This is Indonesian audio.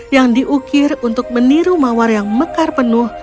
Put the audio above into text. yang diukir untuk meniru mawar yang mekar penuh